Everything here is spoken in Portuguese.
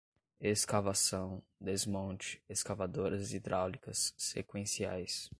escavação, desmonte, escavadoras hidráulicas, sequenciais